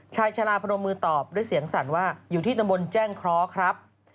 ชาลาพนมมือตอบด้วยเสียงสั่นว่าอยู่ที่ตำบลแจ้งเคราะห์ครับ